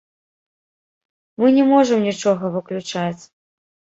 Мы не можам нічога выключаць.